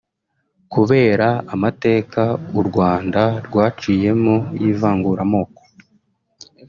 Kubera amateka u Rwanda rwaciyemo y’ivanguramoko